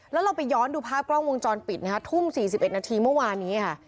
แล้วเราไปย้อนดูภาพกล้องวงจรปิดนะคะทุ่ม๔๑นาทีเมื่อวานนี้ค่ะ